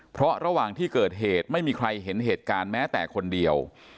เพราะระหว่างที่เกิดเหตุไม่มีใครเห็นเหตุการณ์แม้แต่คนเดียว